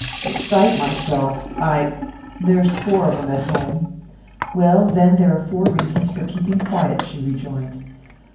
"Excite myself? I there's four of 'em at home " "Well, then there are four reasons for keeping quiet," she rejoined.